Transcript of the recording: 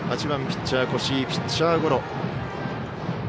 ８番、ピッチャー、越井ピッチャーゴロ。